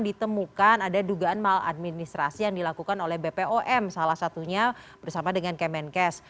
ditemukan ada dugaan maladministrasi yang dilakukan oleh bpom salah satunya bersama dengan kemenkes